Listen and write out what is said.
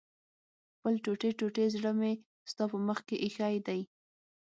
خپل ټوټې ټوټې زړه مې ستا په مخ کې ايښی دی